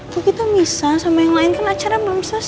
kok kita misah sama yang lain kan acara belum selesai